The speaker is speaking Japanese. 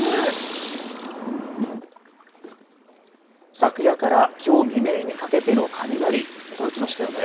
昨夜からきょう未明にかけての雷、驚きましたよね。